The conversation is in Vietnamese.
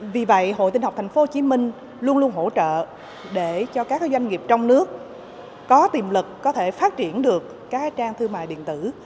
vì vậy hội tinh học thành phố hồ chí minh luôn luôn hỗ trợ để cho các doanh nghiệp trong nước có tiềm lực có thể phát triển được các trang thương mại điện tử